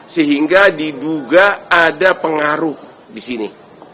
sehingga diduga ada pengaruh di sini